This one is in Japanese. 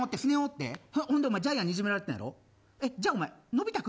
ジャイアンにいじめられてたんやろ。